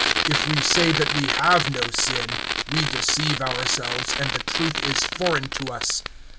(8)If we say that we have not sin, we deceive ourselves, and the truth is not in us.